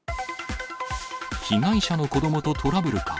被害者の子どもとトラブルか。